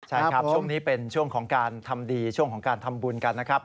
ใช่ครับช่วงนี้เป็นช่วงของการทำดีช่วงของการทำบุญกันนะครับ